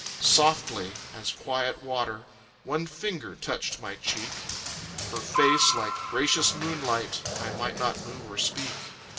Softly as quiet water, One finger touched my cheek; Her face like gracious moonlight I might not move nor speak.